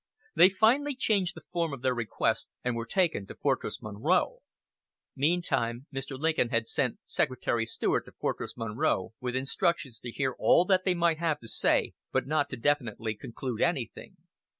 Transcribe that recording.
They finally changed the form of their request, and were taken to Fortress Monroe. Meantime Mr. Lincoln had sent Secretary Seward to Fortress Monroe with instructions to hear all they might have to say, but not to definitely conclude anything.